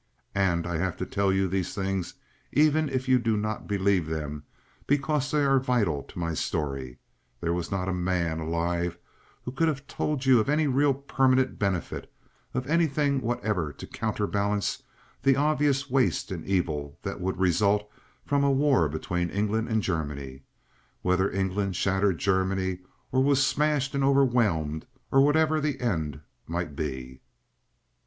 And—I have to tell you these things even if you do not believe them, because they are vital to my story—there was not a man alive who could have told you of any real permanent benefit, of anything whatever to counterbalance the obvious waste and evil, that would result from a war between England and Germany, whether England shattered Germany or was smashed and overwhelmed, or whatever the end might be.